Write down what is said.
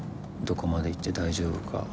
どこまで言って大丈夫か。